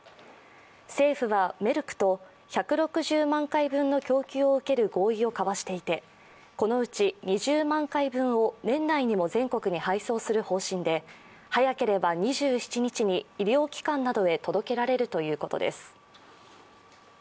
政府は、メルクと１６０万回分の供給を受ける合意を交わしていてこのうち２０万回分を年内にも全国に配送する方針で早ければ２７日に医療機関などへ届けられるということです。